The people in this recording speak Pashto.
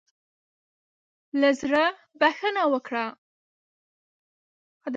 له زړۀ بخښنه وکړه.